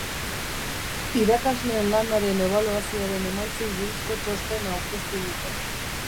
Irakasleen lanaren ebaluazioaren emaitzei buruzko txostena aurkeztu dute.